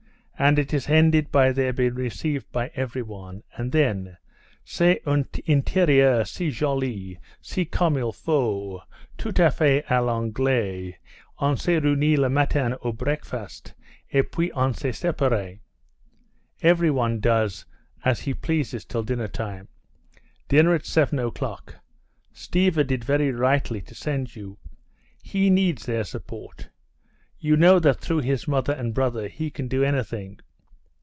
And it has ended by their being received by everyone. And then, _c'est un intérieur si joli, si comme il faut. Tout à fait à l'anglaise. On se réunit le matin au breakfast, et puis on se sépare._ Everyone does as he pleases till dinner time. Dinner at seven o'clock. Stiva did very rightly to send you. He needs their support. You know that through his mother and brother he can do anything.